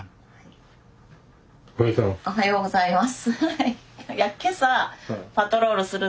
おはようございます。